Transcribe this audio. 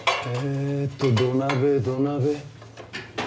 えと土鍋土鍋。